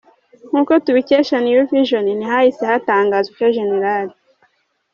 Nk’uko tubikesha New Vision, ntihahise hatangazwa icyo Gen.